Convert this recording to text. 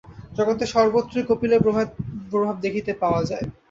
জগতে সর্বত্রই কপিলের প্রভাব দেখিতে পাওয়া যায়।